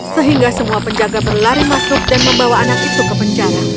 sehingga semua penjaga berlari masuk dan membawa anak itu ke penjara